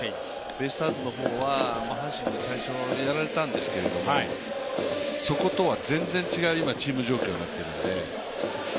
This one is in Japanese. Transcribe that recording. ベイスターズの方は阪神に最初やられたんですけれども、そことは全然違うチーム状況になってるので。